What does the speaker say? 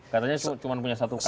katanya cuma punya satu kata